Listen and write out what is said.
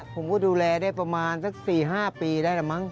ผมก็ดูแลได้ประมาณสัก๔๕ปีได้แล้วมั้ง